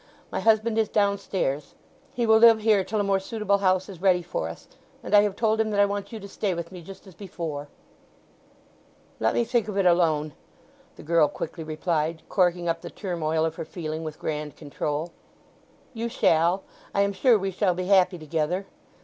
"My husband is downstairs. He will live here till a more suitable house is ready for us; and I have told him that I want you to stay with me just as before." "Let me think of it alone," the girl quickly replied, corking up the turmoil of her feeling with grand control. "You shall. I am sure we shall be happy together."